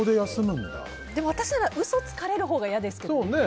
私なら嘘をつかれるほうが嫌ですけどね。